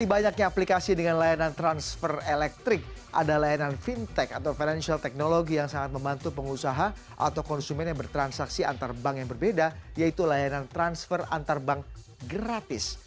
di banyaknya aplikasi dengan layanan transfer elektrik ada layanan fintech atau financial technology yang sangat membantu pengusaha atau konsumen yang bertransaksi antar bank yang berbeda yaitu layanan transfer antar bank gratis